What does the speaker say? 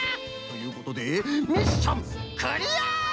ということでミッションクリア！